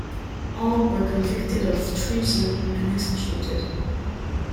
All were convicted of treason and executed.